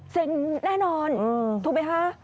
เซ็งแน่นอนถูกไหมครับ